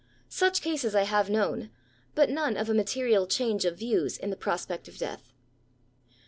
Such cases I have known: but none of a material change of views in the prospect of death.